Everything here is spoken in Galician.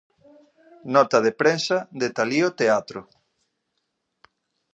Nota de prensa de Talía Teatro.